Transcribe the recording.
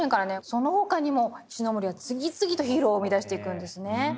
その他にも石森は次々とヒーローを生み出していくんですね。